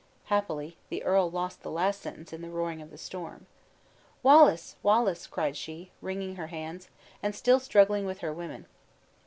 Happily, the earl lost the last sentence in the roaring of the storm. "Wallace, Wallace!" cried she, wringing her hands, and still struggling with her women.